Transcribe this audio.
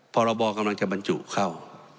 พรบกำลังจะบรรจุเข้า